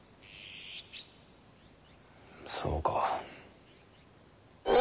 そうか。